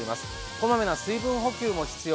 こまめな水分補給も必要。